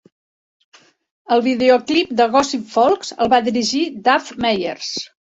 El videoclip de "Gossip Folks" el va dirigir Dave Meyers.